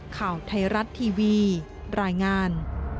ข่าวไทยรัฐทีวีรายงาน